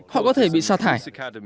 họ có thể bị xa thải